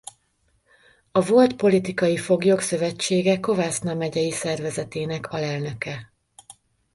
A Volt Politikai Foglyok Szövetsége Kovászna megyei szervezetének alelnöke.